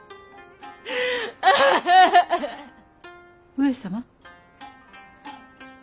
上様？